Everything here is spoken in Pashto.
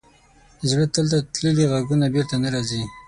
د زړه تل ته تللي ږغونه بېرته نه راځي.